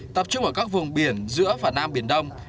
tập trung ở các vùng biển giữa và nam biển đông